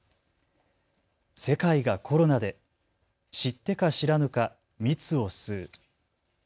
世界がコロナで知ってか知らぬか蜜を吸う。